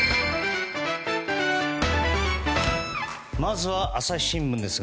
まずは朝日新聞です。